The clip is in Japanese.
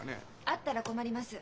あったら困ります。